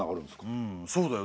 うんそうだよ。